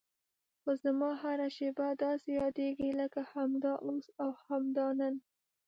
خو زما هره شېبه داسې یادېږي لکه همدا اوس او همدا نن.